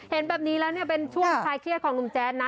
เห็นแบบนี้แล้วเนี่ยเป็นช่วงคลายเครียดของหนุ่มแจ๊ดนะ